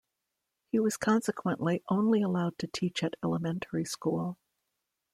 He was consequently only allowed to teach at elementary school.